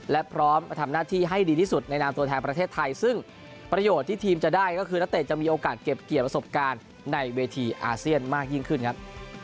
และพร้อมทำหน้าที่ให้ดีที่สุดในนามตัวแทนประเทศไทยซึ่งประโยชน์ที่ทีมจะได้ก็คือนักเตะจะมีโอกาสเก็บเกี่ยวประสบการณ์ในเวทีอาเซียนมากยิ่งขึ้นครับ